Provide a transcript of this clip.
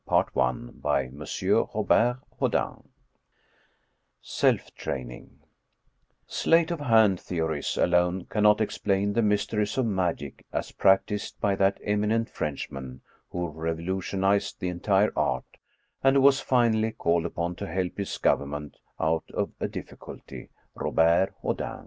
Robert Houdin A Conjurer^ s Confessions I SELF TRAINING Sleight of hand theories alone cannot explain the mysteries of "magic as practiced by that eminent Frenchman who revolution ized the entire art, and who was finally called upon to help his government out of a difficulty — Robert Houdin.